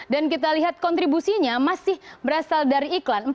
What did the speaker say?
dan kita lihat kontribusinya masih berasal dari iklan